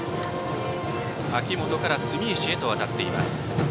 秋元から住石へと渡っています。